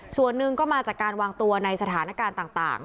ส่วนหนึ่งก็มาจากการวางตัวในสถานการณ์ต่าง